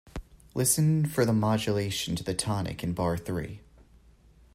Listen for the modulation to the tonic in bar three.